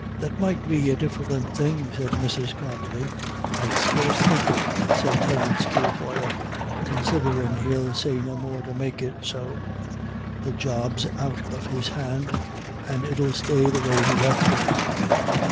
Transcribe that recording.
"That might be a diff'rint thing," said Mrs. Carbery. "I'd scarce think it," said Terence Kilfoyle, "considherin' he'll say no more to make it so. The job's out of his hand, and 'ill stay the way he left it."